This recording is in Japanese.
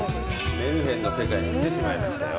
メルヘンの世界に来てしまいましたよ